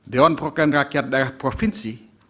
dewan perwakilan rakyat daerah provinsi